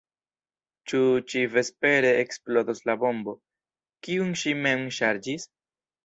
Ĉu ĉivespere eksplodos la bombo, kiun ŝi mem ŝarĝis?